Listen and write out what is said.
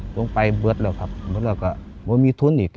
ใช้ไฟเบิร์ทและก็บ่มีทุนอีก